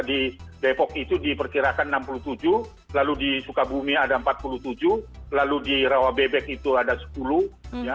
di depok itu diperkirakan enam puluh tujuh lalu di sukabumi ada empat puluh tujuh lalu di rawabebek itu ada sepuluh ya